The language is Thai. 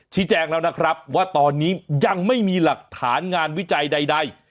แจ้งแล้วนะครับว่าตอนนี้ยังไม่มีหลักฐานงานวิจัยใด